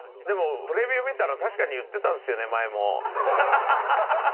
でも、プレビュー見たら、確かに言ってたんですよね、前も。